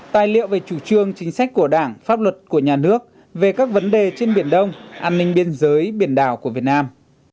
tài liệu về chủ trương chính sách của đảng pháp luật của nhà nước về các vấn đề trên biển đông an ninh biên giới biển đảo của việt nam